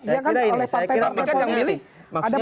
ya kan oleh partai partai politik